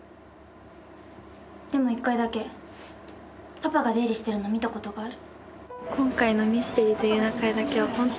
「でも１回だけパパが出入りしてるの見たことがある」